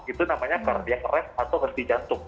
itu namanya cardiac arrest atau henti jantung